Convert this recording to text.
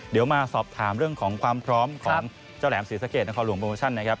เดี๋ยวมาสอบถามเรื่องของความพร้อมของเจ้าแหลมศรีสะเกดนครหลวงโมชั่นนะครับ